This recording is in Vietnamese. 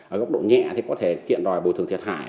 ở góc độ nhẹ thì có thể kiện đòi bồi thường thiệt hại